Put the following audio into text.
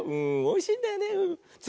おいしいんだよね。